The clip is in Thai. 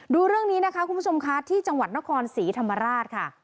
ดูเรื่องนี้นะคะคุณผู้ชมค่ะที่จังหวัดนครศรีธรรมราชค่ะ